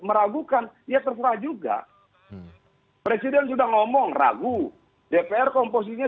maka harus dirubah konstitusinya